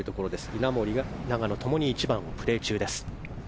稲森、永野共に１番をプレー中です。